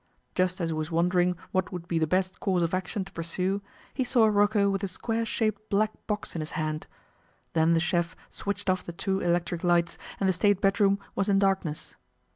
Just as he was wondering what would be the best course of action to pursue, he saw Rocco with a square shaped black box in his hand. Then the chef switched off the two electric lights, and the State bedroom was in darkness.